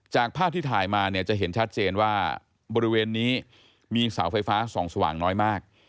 ภาพที่ถ่ายมาเนี่ยจะเห็นชัดเจนว่าบริเวณนี้มีเสาไฟฟ้าส่องสว่างน้อยมาก